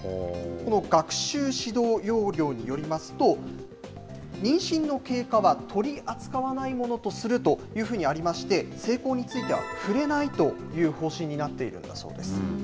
この学習指導要領によりますと、妊娠の経過は取り扱わないものとするというふうにありまして、性交については、触れないという方針になっているんだそうです。